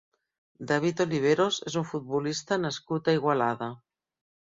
David Oliveros és un futbolista nascut a Igualada.